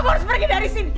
kamu harus pergi dari sini